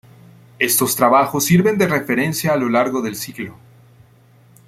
Estos trabajos sirven de referencia a lo largo del siglo.